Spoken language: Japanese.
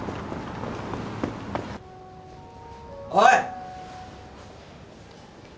おい！